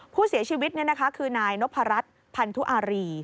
ผู้เสียชีวิตนี่นะคะคือนายนพรัฐพันธุอารี